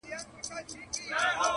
نعمتونه انعامونه درکومه!.